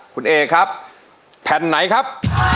คุณเอครับแผ่นไหนครับ